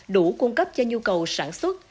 đủ cung cấp cho nhu cầu sản xuất